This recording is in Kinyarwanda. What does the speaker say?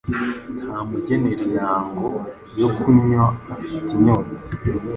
ntamugenere intango yokunnwya afite inyota